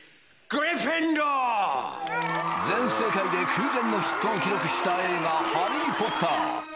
全世界で空前のヒットを記録した映画「ハリー・ポッター」